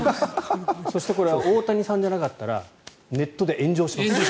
そして、これは大谷さんじゃなかったらネットで炎上します。